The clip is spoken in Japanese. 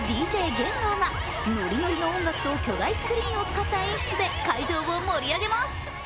ゲンガーがノリノリの音楽と巨大スクリーンと使った演出で会場を盛り上げます。